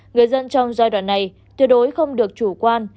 người dân trong giai đoạn này tuyệt đối không được chủ quan